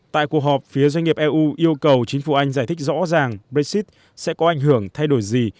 tại cuộc họp phía doanh nghiệp eu yêu cầu chính phủ anh giải thích rõ ràng brexit sẽ có ảnh hưởng thay đổi gì